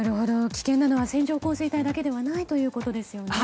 危険なのは線状降水帯だけではないということですね。